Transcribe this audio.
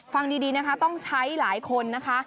ฟังดีนะคะต้องใช้หลายคนนะคะ